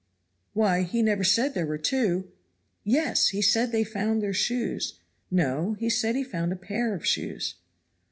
"Why he never said there were two." "Y yes! he said they found their shoes." "No, he said he found a pair of shoes."